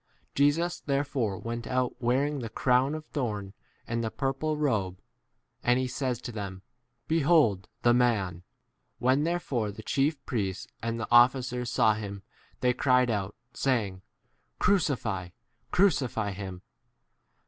Jesus therefore went out wearing the crown of thorn and the purple robe, and he says to them, Behold the man ! 6 When therefore the chief priests and the officers saw him they cried out, saying, Crucify, crucify [him].